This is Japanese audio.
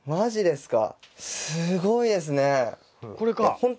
すごいですね。